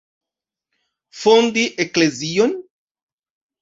Fondi eklezion?